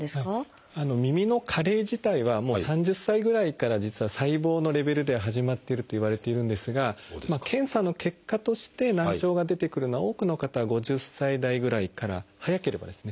耳の加齢自体はもう３０歳ぐらいから実は細胞のレベルでは始まっているといわれているんですが検査の結果として難聴が出てくるのは多くの方は５０歳代ぐらいから早ければですね。